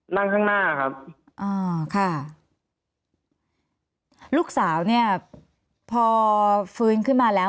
นั่งข้างหน้าครับอ่าค่ะลูกสาวเนี่ยพอฟื้นขึ้นมาแล้ว